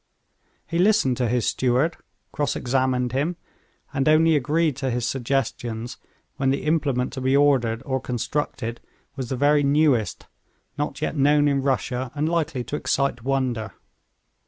He listened to his steward, cross examined him, and only agreed to his suggestions when the implement to be ordered or constructed was the very newest, not yet known in Russia, and likely to excite wonder.